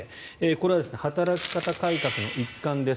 これは働き方改革の一環です。